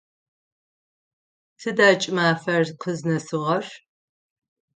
Тыда кӏымафэр къызнэсыгъэр?